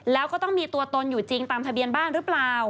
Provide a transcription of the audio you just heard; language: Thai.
แล้วก็ต้องมีตัวตนอยู่จริงตามทะเบียนบ้านหรือเปล่า